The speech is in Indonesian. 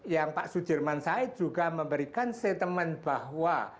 yang pak sudirman said juga memberikan statement bahwa